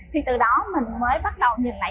thì từ đó mình mới bắt đầu nhìn lại